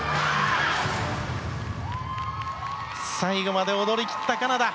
最後まで踊り切ったカナダ。